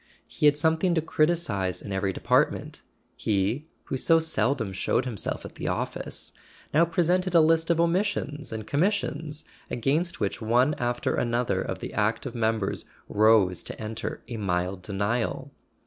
He had something to criticize in every de¬ partment. He, who so seldom showed himself at the office, now presented a list of omissions and commis¬ sions against which one after another of the active members rose to enter a mild denial.